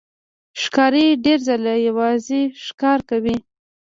ښکاري ډېر ځله یوازې ښکار کوي.